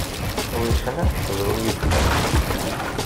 Wissen amek teḍru yid-sen?